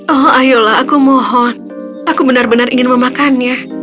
oh ayolah aku mohon aku benar benar ingin memakannya